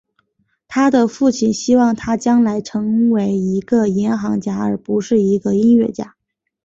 他的父亲希望他将来成为一个银行家而不是一个音乐家。